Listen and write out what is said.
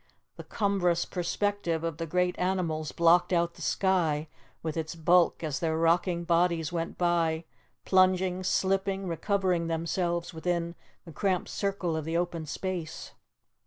The cumbrous perspective of the great animals blocked out the sky with its bulk as their rocking bodies went by, plunging, slipping, recovering themselves within the cramped circle of the open space.